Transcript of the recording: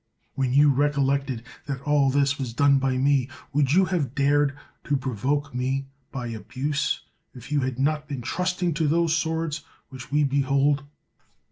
When you recol lected that all this was done by me, would you have dared to provoke me by abuse if you had not been trusting to those swords which we behold.